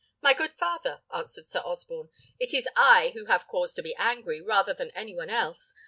"My good father," answered Sir Osborne, "it is I who have cause to be angry, rather than any one else.